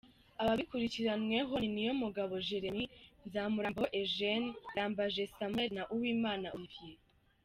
Ababikurikiranweho ni Niyomugabo Jerôme, Nzamurambaho Eugene, Ndayambaje Samuel na Uwimana Olivier.